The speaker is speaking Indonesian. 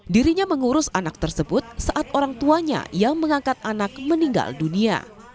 dirinya mengurus anak tersebut saat orang tuanya yang mengangkat anak meninggal dunia